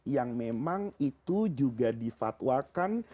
yang memang itu juga difatwakan